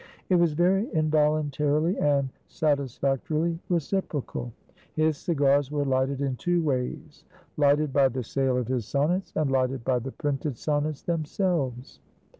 It was very involuntarily and satisfactorily reciprocal. His cigars were lighted in two ways: lighted by the sale of his sonnets, and lighted by the printed sonnets themselves.